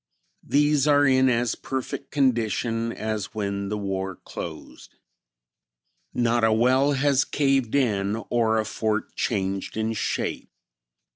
These are in as perfect condition as when the war closed. Not a well has caved in or a fort changed in shape.